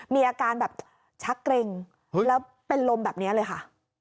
มีอาการแบบชักเกร็งแล้วเป็นลมแบบนี้เลยค่ะ